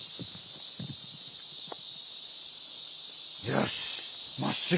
よし！